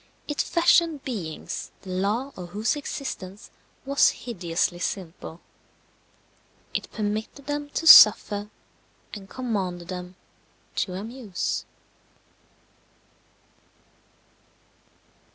It fashioned beings the law of whose existence was hideously simple: it permitted them to suffer, and commanded them to amuse.